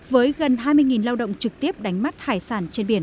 với gần hai mươi lao động trực tiếp đánh mắt hải sản trên biển